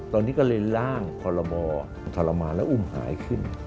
ตอนนี้ก็เลยล่างพรบทรมานและอุ้มหายขึ้น